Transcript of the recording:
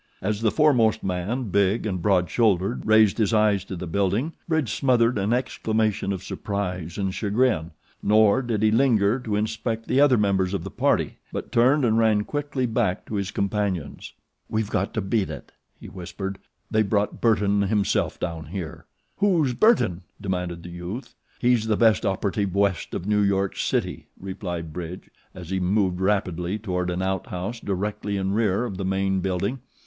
As the foremost man, big and broad shouldered, raised his eyes to the building Bridge smothered an exclamation of surprise and chagrin, nor did he linger to inspect the other members of the party; but turned and ran quickly back to his companions. "We've got to beat it!" he whispered; "they've brought Burton himself down here." "Who's Burton?" demanded the youth. "He's the best operative west of New York City," replied Bridge, as he moved rapidly toward an outhouse directly in rear of the main building.